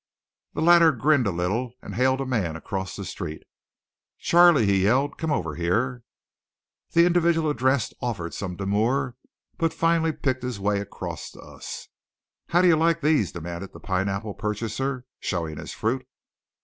The latter grinned a little, and hailed a man across the street. "Charley!" he yelled. "Come over here!" The individual addressed offered some demur, but finally picked his way across to us. "How do you like these?" demanded the pineapple purchaser, showing his fruit.